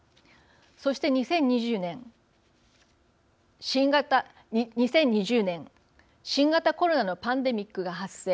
そして２０２０年新型コロナのパンデミックが発生。